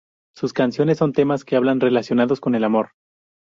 Sus canciones son temas que hablan relacionados con el amor.